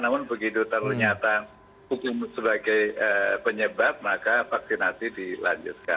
namun begitu ternyata sebagai penyebab maka vaksinasi dilanjutkan